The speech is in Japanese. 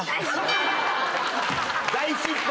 大失敗？